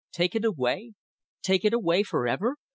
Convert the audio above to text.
Take it away? Take it away for ever!